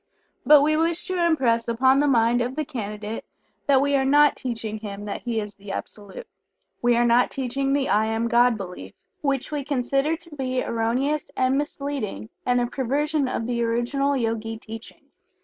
But we wish to impress upon the mind of the Candidate that we are not teaching him that he is the Absolute. We are not teaching the "I Am God" belief, which we consider to be erroneous and misleading, and a perversion of the original Yogi teachings.